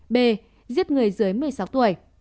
b giết người dưới một mươi sáu tuổi